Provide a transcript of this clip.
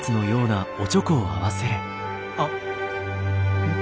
あっ。